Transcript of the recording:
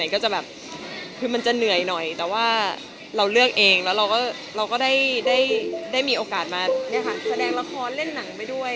ก็จะแบบคือมันจะเหนื่อยหน่อยแต่ว่าเราเลือกเองแล้วเราก็ได้มีโอกาสมาแสดงละครเล่นหนังไปด้วย